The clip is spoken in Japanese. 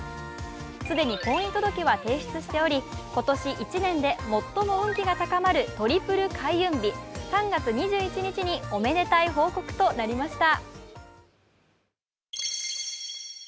既に婚姻届は提出しており、今年１年で最も運気が高まるトリプル開運日、３月２１日におめでたい報告となりました。